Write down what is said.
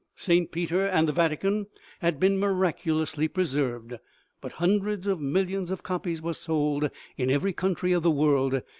St. Peter and the Vatican had been miraculously preserved. But hundreds of millions of copies were sold in every country of the world.